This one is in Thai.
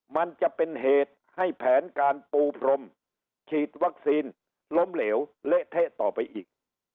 มันจะเป็นเหตุให้แผนการปูพรมฉีดวัคซีนล้มเหลวเละเทะต่อไปอีก